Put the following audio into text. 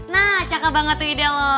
nah cakep banget tuh ide lo